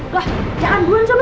wah jangan duluan sonu